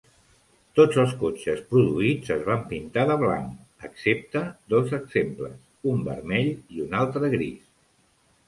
Tots els cotxes produïts es van pintar de blanc, excepte dos exemples, un vermell i un altre gris.